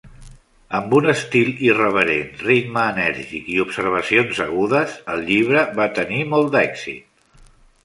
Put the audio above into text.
Amb un estil irreverent, ritme enèrgic i observacions agudes, el llibre va tenir molt d'èxit.